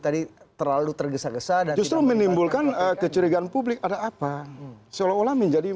tadi terlalu tergesa gesa justru menimbulkan kecurigaan publik ada apa seolah olah menjadi